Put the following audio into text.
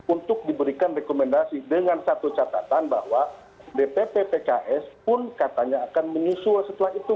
untuk diberikan rekomendasi dengan satu catatan bahwa dpp pks pun katanya akan menyusul setelah itu